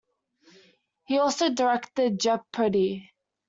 He also directed Jeopardy!